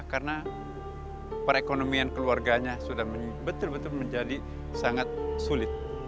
karena perekonomian keluarganya sudah betul betul menjadi sangat sulit